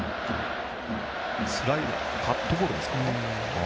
スライダーカットボールですかね？